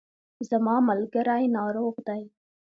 زما ملګری ناروغ دی